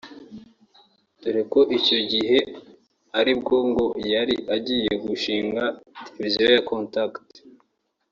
dore ko icyo gihe ari bwo ngo yari agiye gushinga televiziyo ya Contact